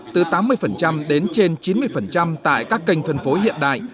từ tám mươi đến trên chín mươi tại các kênh phân phối hiện đại